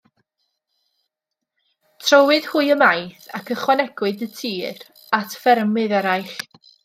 Trowyd hwy ymaith ac ychwanegwyd y tir at ffermydd eraill.